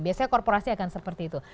biasanya korporasi akan seperti itu